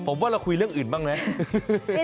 ผมว่าเราคุยเรื่องอื่นบ้างไหม